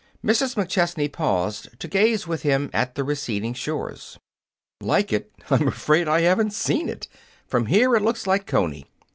Mrs. McChesney paused to gaze with him at the receding shores. "Like it! I'm afraid I haven't seen it. From here it looks like Coney.